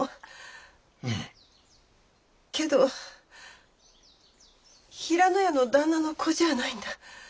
けど平野屋の旦那の子じゃないんだ。